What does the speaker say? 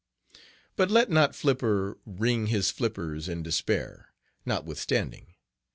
"But let not Flipper wring his flippers in despair, notwithstanding.